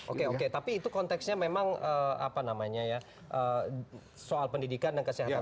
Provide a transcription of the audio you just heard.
oke oke tapi itu konteksnya memang soal pendidikan dan kesehatan